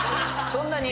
そんなに？